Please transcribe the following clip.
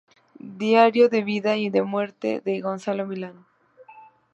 Diario de vida y de muerte" de Gonzalo Millán.